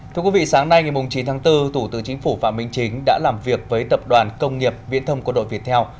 thưa quý vị sáng nay ngày chín tháng bốn tủ tướng chính phủ phạm minh chính đã làm việc với tập đoàn công nghiệp viễn thông của đội viettel